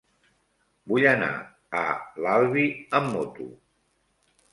Vull anar a l'Albi amb moto.